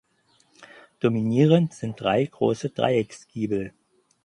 Dominierend sind drei große Dreiecksgiebel.